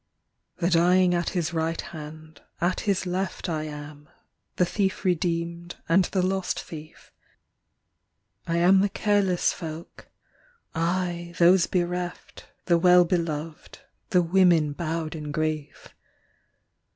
The dying at His right hand, at His left I am the thief redeemed and the lost thief; I am the careless folk; I those bereft, The Well Belov d, the women bowed in grief.